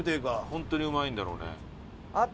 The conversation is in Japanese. ホントにうまいんだろうね。